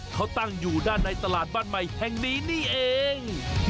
เขาตั้งอยู่ด้านในตลาดบ้านใหม่แห่งนี้นี่เอง